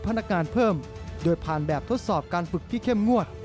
พนักงานเพิ่มโดยผ่านแบบทดสอบการฝึกที่เข้มงวด